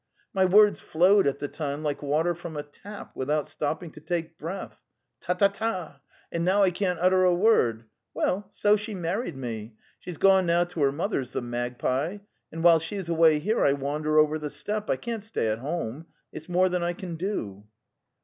My words flowed at the time like water from a tap, without stopping to take breath. Ta ta ta! And now I can't utter a word. ..: Well: so: she married') mes,:)3/.)/ She's gone now to her mother's, the magpie, and while she is away here I wander over the steppe. I can't stay at home. It's more than I can do!"